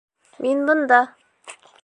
— Мин бында.